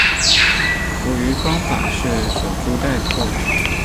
捕鱼方法是守株待兔。